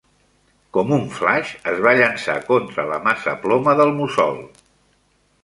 Com un flaix, es va llançar contra la massa ploma del mussol.